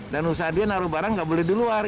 dan usaha dia naruh barang nggak boleh di luar